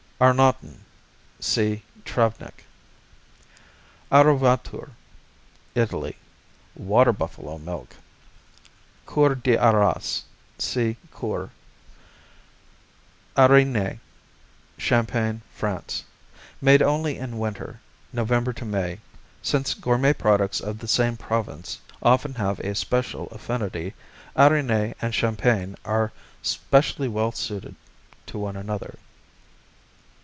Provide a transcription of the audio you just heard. Arnauten see Travnik. Arovature Italy Water buffalo milk. Arras, Coeurs d' see Coeurs. Arrigny Champagne, France Made only in winter, November to May. Since gourmet products of the same province often have a special affinity, Arrigny and champagne are specially well suited to one another.